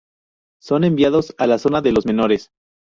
Son enviados a la zona de los menores.